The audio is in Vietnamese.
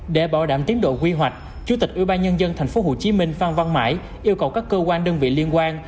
để bảo đảm tiến độ quy hoạch chủ tịch ubnd tp hcm phan văn mãi yêu cầu các cơ quan đơn vị liên quan